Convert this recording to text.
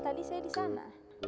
tadi saya di sana